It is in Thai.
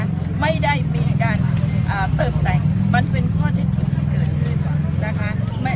คือไม่ได้มีการเติบแต่งมันเป็นข้อที่เกิดขึ้นนะคะ